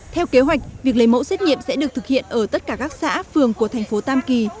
theo kế hoạch việc lấy mẫu xét nghiệm sẽ được thực hiện ở tất cả các xã phường của thành phố tam kỳ